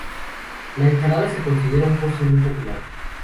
La ensalada se considera un postre muy popular.